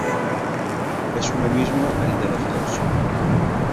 es uno mismo el de los dos.